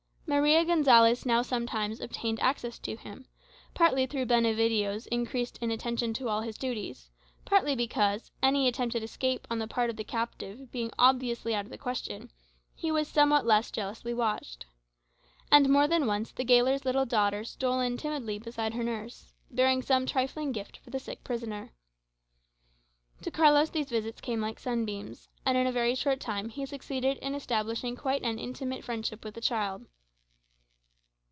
Maria Gonsalez now sometimes obtained access to him, partly through Benevidio's increased inattention to all his duties, partly because, any attempt at escape on the part of the captive being obviously out of the question, he was somewhat less jealously watched. And more than once the gaoler's little daughter stole in timidly beside her nurse, bearing some trifling gift for the sick prisoner. To Carlos these visits came like sunbeams; and in a very short time he succeeded in establishing quite an intimate friendship with the child.